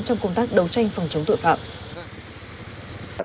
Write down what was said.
trong công tác đấu tranh phòng chống tội phạm